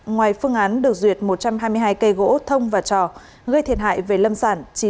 ngoài phương án được duyệt một trăm hai mươi hai cây gỗ thông và trò gây thiệt hại về lâm sản chín mươi sáu m khối gỗ